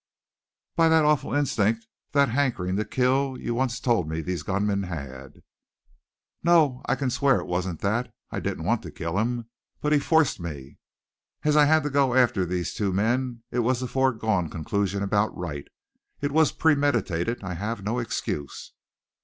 "By that awful instinct, that hankering to kill, you once told me these gunmen had." "No, I can swear it wasn't that. I didn't want to kill him. But he forced me. As I had to go after these two men it was a foregone conclusion about Wright. It was premeditated. I have no excuse."